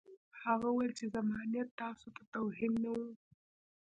هغه وویل چې زما نیت تاسو ته توهین نه و